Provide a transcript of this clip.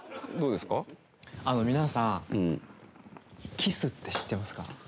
あの皆さんキスって知ってますか？